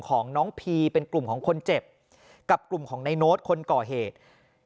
ของน้องพีเป็นกลุ่มของคนเจ็บกับกลุ่มของในโน้ตคนก่อเหตุ